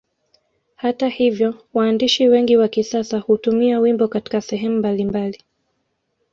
Hata hivyo waandishi wengi wa kisasa hutumia wimbo Katika sehemu mbalimbali